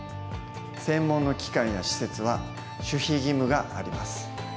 専門の機関や施設は守秘義務があります。